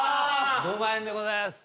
５万円でございます。